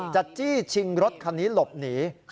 จี้ชิงรถคันนี้หลบหนี